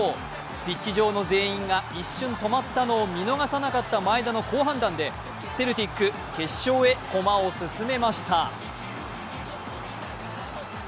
ピッチ上の全員が一瞬止まったのを見逃さなかった前田の好判断でセルティック、決勝へ駒を進めました。